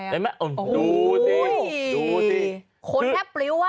ยังไงนะโอ้โฮดูสิดูสิคุณแค่ปริ้วอะคือ